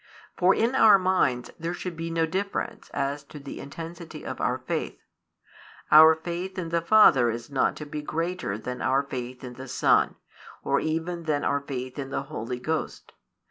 For in our minds there should be no difference as to the intensity of our faith: our faith in the Father is not to be greater than our faith in the Son, or even than our faith in the Holy Ghost.